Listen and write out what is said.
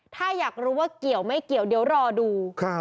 ถ้าอยากรู้ว่าเกี่ยวไม่เกี่ยวเดี๋ยวรอดู